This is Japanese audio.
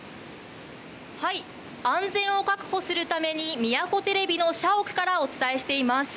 安全を確保するために宮古テレビの社屋からお伝えしています。